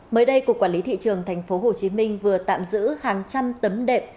mới đây cục quản lý thị trường tp hcm vừa tạm giữ hàng trăm tấm đệm